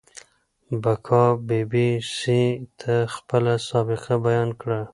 بکا بي بي سي ته خپله سابقه بيان کړه.